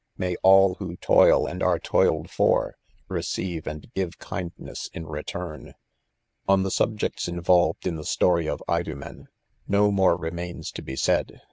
May all who toil, and axe toiled for, receive and give kindness in return !% On the subjects involved in the story of "Idomen" no more remains to be said.